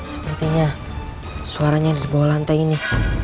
sepertinya suaranya di bawah lantai ini